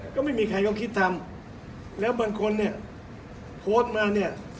ก็ไม่มีใครเขาคิดทำแล้วบางคนเนี่ยโพสต์มาเนี่ย